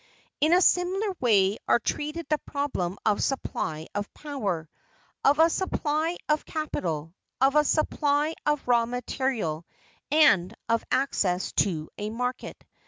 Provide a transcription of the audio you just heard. In a similar way are treated the problem of a supply of power, of a supply of capital, of a supply of raw material and of access to a market.